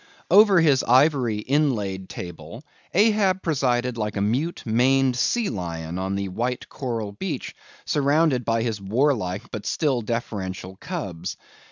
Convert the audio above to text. Over his ivory inlaid table, Ahab presided like a mute, maned sea lion on the white coral beach, surrounded by his warlike but still deferential cubs.